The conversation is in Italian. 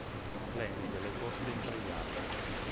Splendide le porte intagliate.